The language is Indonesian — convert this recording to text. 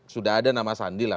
sudah ada nama sandi lah